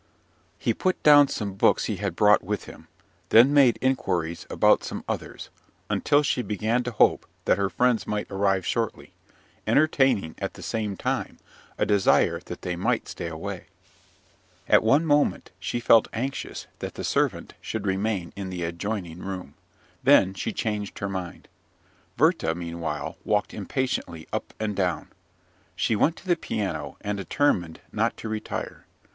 He put down some books he had brought with him, then made inquiries about some others, until she began to hope that her friends might arrive shortly, entertaining at the same time a desire that they might stay away. At one moment she felt anxious that the servant should remain in the adjoining room, then she changed her mind. Werther, meanwhile, walked impatiently up and down. She went to the piano, and determined not to retire.